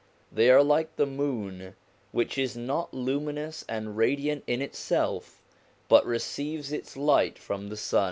They are like the moon, which is not luminous and radiant in itself, but receives its light from the sun.